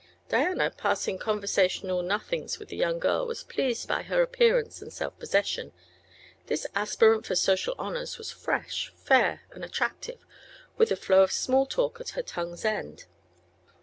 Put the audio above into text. Diana, passing conversational nothings with the young girl, was pleased by her appearance and self possession. This aspirant for social honors was fresh, fair and attractive, with a flow of small talk at her tongue's end.